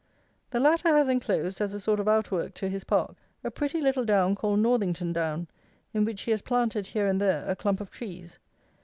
The latter has enclosed, as a sort of outwork to his park, a pretty little down called Northington Down, in which he has planted, here and there, a clump of trees.